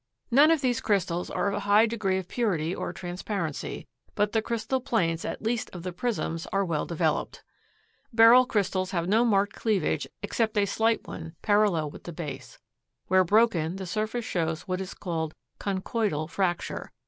None of these crystals are of a high degree of purity or transparency, but the crystal planes at least of the prisms are well developed. Beryl crystals have no marked cleavage except a slight one parallel with the base. Where broken, the surface shows what is called conchoidal fracture, i.